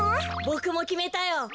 ボクもきめたよ。